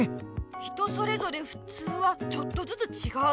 人それぞれ「ふつう」はちょっとずつちがう。